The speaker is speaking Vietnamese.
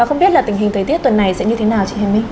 không biết tình hình thời tiết tuần này sẽ như thế nào